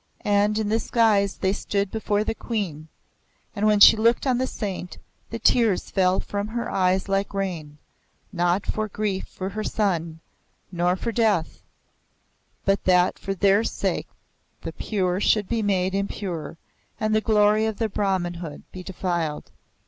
And in this guise they stood before the Queen; and when she looked on the saint, the tears fell from her eyes like rain, not for grief for her son, nor for death, but that for their sake the pure should be made impure and the glory of the Brahman hood be defiled.